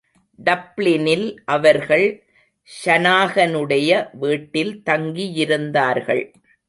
டப்ளினில் அவர்கள் ஷனாகனுடைய வீட்டில் தங்கியிருந்தார்கள்.